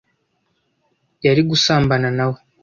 yari gusambana na we